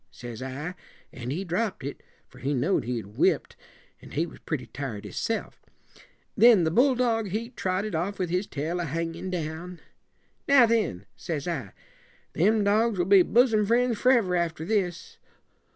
says I; an' he dropped it, for he know'd he'd whipped, and he was pretty tired hisself. Then the bulldog, he trotted off with his tail a hangin' down. 'Now, then,' says I, 'them dogs will be bosom friends forever after this.'